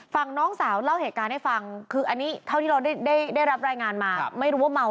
ฟังน้องสาวเล่าเหตุการณ์ให้ฟังคืออันนี้เท่าที่เราได้รับรายงานมา